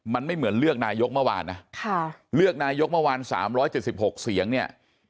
มันไม่เหมือนเลือกนายกเมื่อวานนะเลือกนายกเมื่อวาน๓๗๖เสียงเนี่ย